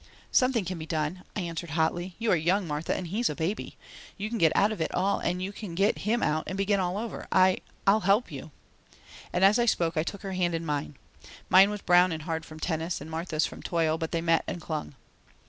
"Something can be done!" I answered hotly. "You are young, Martha, and he's a baby. You can get out of it all and you can get him out and begin all over. I I'll help you." And as I spoke I took her hand in mine. Mine was brown and hard from tennis and Martha's from toil, but they met and clung.